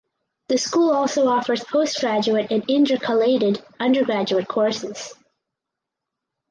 The school also offers postgraduate and intercalated undergraduate courses.